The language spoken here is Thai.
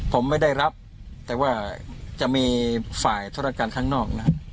ผมไม่ได้รับแต่ว่าจะมีฝ่ายธุรการข้างนอกนะครับ